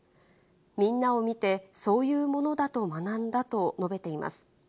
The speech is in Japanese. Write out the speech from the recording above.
みんなを見て、そういうものだと学んだと述べています。